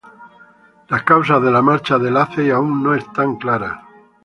Las causas de la marcha de Lacey aún no están claras.